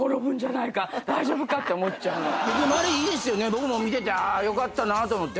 僕も見ててよかったなと思って。